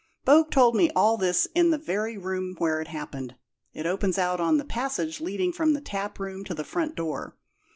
Bogue told me all this in the very room where it happened. It opens out on the passage leading from the taproom to the front door.